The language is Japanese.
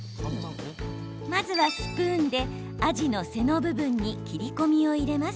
まずはスプーンでアジの背の部分に切り込みを入れます。